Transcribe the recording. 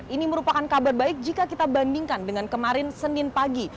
ini merupakan kabar baik jika kita bandingkan dengan kemarin senin pagi